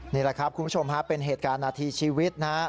นี่แหละครับคุณผู้ชมฮะเป็นเหตุการณ์นาทีชีวิตนะฮะ